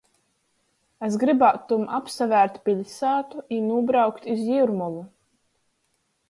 Es grybātum apsavērt piļsātu i nūbraukt iz Jiurmolu.